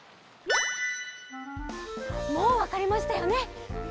もうわかりましたよね？